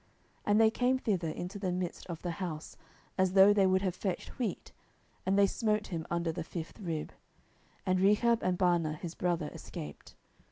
10:004:006 And they came thither into the midst of the house, as though they would have fetched wheat; and they smote him under the fifth rib: and Rechab and Baanah his brother escaped.